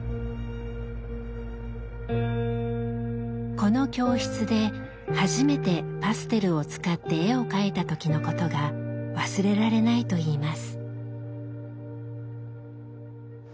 この教室で初めてパステルを使って絵を描いた時のことが忘れられないといいます。